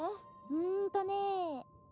うんとね。